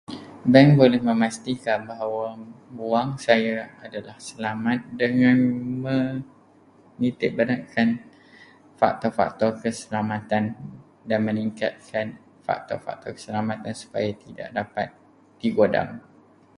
Bank boleh memastikan bahawa wang saya adalah selamat dengan menitikberatkan faktor-faktor keselamatan dan meningkatkan faktor-faktor kesematan supaya tidak dapat digodam.